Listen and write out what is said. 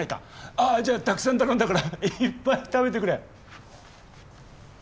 ああじゃあたくさん頼んだからいっぱい食べてくれ。